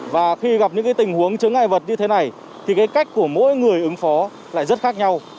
và khi gặp những tình huống chứng ngại vật như thế này thì cái cách của mỗi người ứng phó lại rất khác nhau